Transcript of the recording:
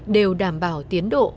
đều đảm bảo tiến độ